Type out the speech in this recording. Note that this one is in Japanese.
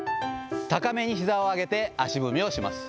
高めにひざを上げて、足踏みをします。